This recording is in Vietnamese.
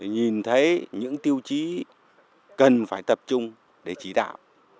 nhìn thấy những tiêu chí cần phải tập trung để chỉ đạo